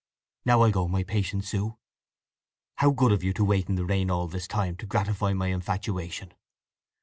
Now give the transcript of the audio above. "Now I'll go, my patient Sue. How good of you to wait in the rain all this time—to gratify my infatuation!